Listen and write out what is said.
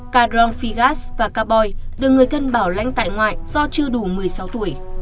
ca drong phí gác và ca poi được người thân bảo lãnh tại ngoại do chưa đủ một mươi sáu tuổi